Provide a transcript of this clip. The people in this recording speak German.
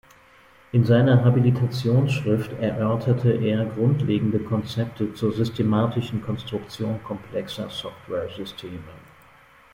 In seiner Habilitationsschrift erörterte er grundlegende Konzepte zur systematischen Konstruktion komplexer Softwaresysteme.